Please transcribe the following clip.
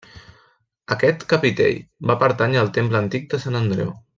Aquest capitell va pertànyer al temple antic de Sant Andreu.